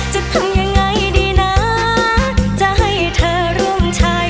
จะทำยังไงดีนะจะให้เธอร่วมชาย